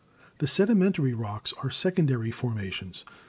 The Sedimentary rocks are secondary formations.